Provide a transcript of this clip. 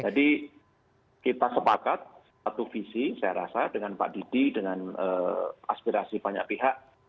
jadi kita sepakat satu visi saya rasa dengan pak didi dengan aspirasi banyak pihak